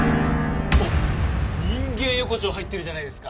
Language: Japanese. おっ人間横丁入ってるじゃないですか。